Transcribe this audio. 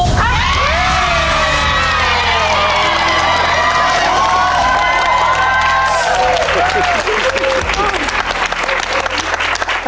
ขอบคุณครับ